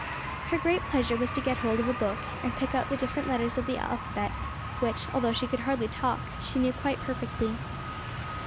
Her great pleasure was to get hold of a book, and pick out the different letters of the alphabet, which, although she could hardly talk, she knew quite perfectly.